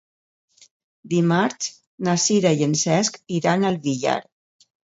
Dimarts na Sira i en Cesc iran al Villar.